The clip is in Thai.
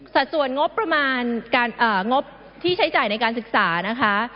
สัดส่วนงบที่ใช้จ่ายในการศึกษานะคะ